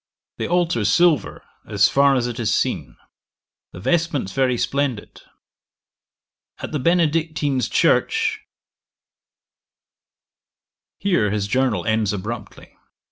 The altar silver as far as it is seen. The vestments very splendid. At the Benedictines church ' Here his Journal ends abruptly.